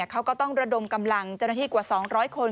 เขาก็ต้องระดมกำลังเจ้าหน้าที่กว่า๒๐๐คน